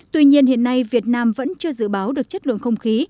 tuy nhiên hiện nay việt nam vẫn chưa dự báo được chất lượng không khí